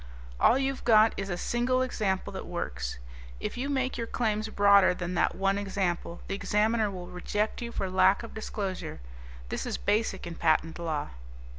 "All you've got is a single example that works. If you make your claims broader than that one example, the Examiner will reject you for lack of disclosure. This is basic in patent law.